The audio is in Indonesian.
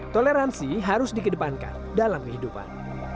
toleransi harus dikedepankan dalam kehidupan